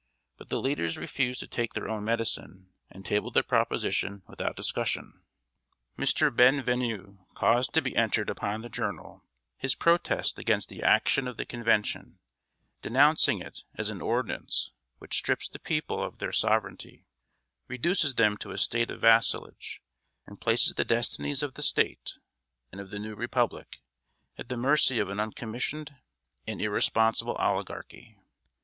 But the leaders refused to take their own medicine, and tabled the proposition without discussion. Mr. Bienvenu caused to be entered upon the journal his protest against the action of the Convention, denouncing it as an ordinance which "strips the people of their sovereignty, reduces them to a state of vassalage, and places the destinies of the State, and of the new Republic, at the mercy of an uncommissioned and irresponsible oligarchy."